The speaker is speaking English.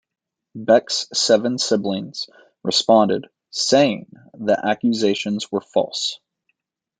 Beck's seven siblings responded saying the accusations were false.